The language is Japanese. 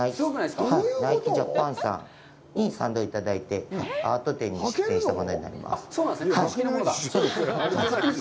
ナイキジャパンさんに賛同いただいて、アート展に出展したものになります。